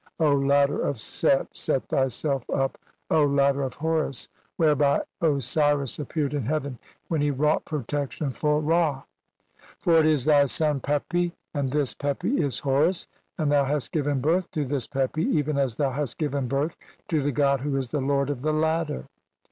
"O ladder of Set, set thyself up, O ladder of Horus, "whereby Osiris appeared in heaven when he wrought "protection for Ra For it is thy son Pepi, and "this Pepi is Horus, and thou hast given birth to this "Pepi even as thou hast given birth to the god who is "the lord of the ladder.